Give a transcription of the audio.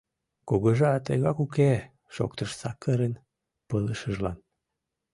— Кугыжа тегак уке! — шоктыш Сакарын пылышыжлан.